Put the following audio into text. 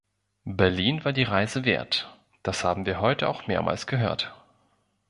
Berlin war die Reise wert, das haben wir heute auch mehrmals gehört.